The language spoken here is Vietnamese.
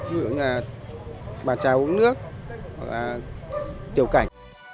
ví dụ như bàn trà uống nước hoặc tiểu cảnh